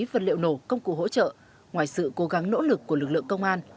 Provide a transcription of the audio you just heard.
vật liệu nổ công cụ hỗ trợ ngoài sự cố gắng nỗ lực của lực lượng công an